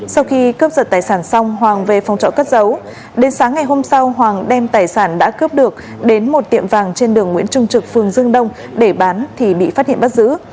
sau khi cướp giật tài sản xong hoàng về phòng trọ cất giấu đến sáng ngày hôm sau hoàng đem tài sản đã cướp được đến một tiệm vàng trên đường nguyễn trung trực phường dương đông để bán thì bị phát hiện bắt giữ